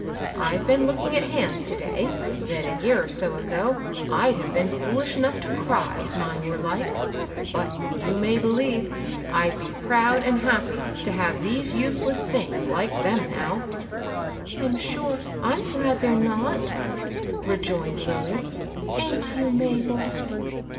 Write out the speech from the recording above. I've been looking at hands to day, that, a year or so ago, I'd have been foolish enough to cry if mine were like ; but, you may beheve, I'd be proud and happy to have these useless things like them now." " I'm sure I'm glad they're not," rejoined Lilly, —" aint you, Mabel